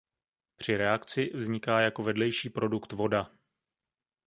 Při reakci vzniká jako vedlejší produkt voda.